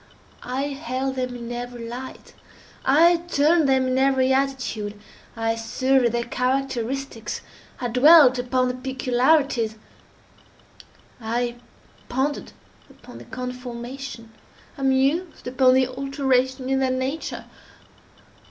I held them in every light. I turned them in every attitude. I surveyed their characteristics. I dwelt upon their peculiarities. I pondered upon their conformation. I mused upon the alteration in their nature.